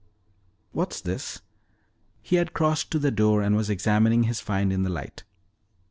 "What's this?" He had crossed to the door and was examining his find in the light.